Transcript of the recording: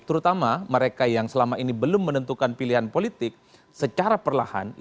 terutama mereka yang selama ini belum menentukan pilihan politik secara perlahan